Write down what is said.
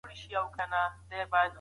بد انسان تل وېرېدونکی وي